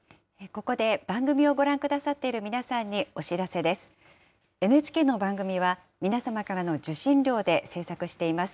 ここで番組をご覧くださっている皆さんにお知らせです。